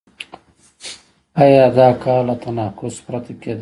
آیا دا کار له تناقض پرته کېدای شي؟